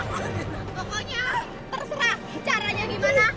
pokoknya terserah caranya gimana